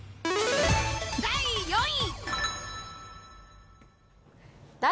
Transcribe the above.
第４位。